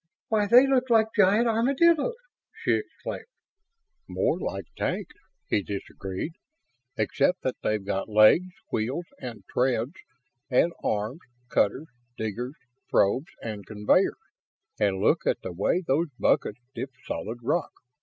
"Why, they look like giant armadillos!" she exclaimed. "More like tanks," he disagreed, "except that they've got legs, wheels and treads and arms, cutters, diggers, probes and conveyors and look at the way those buckets dip solid rock!"